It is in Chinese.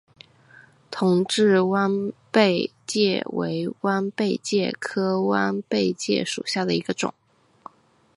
同志弯贝介为弯贝介科弯贝介属下的一个种。